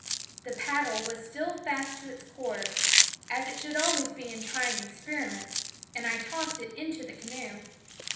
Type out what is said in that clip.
The paddle was still fast to its cord as it should always be in trying experiments and I tossed it into the canoe.